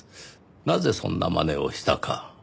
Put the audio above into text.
なぜそんなまねをしたか。